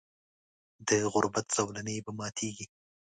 د غربت زولنې به ماتیږي.